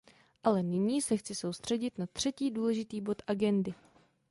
Ale nyní se chci soustředit na třetí důležitý bod agendy.